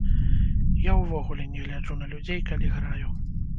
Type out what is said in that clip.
Я увогуле не гляджу на людзей, калі граю.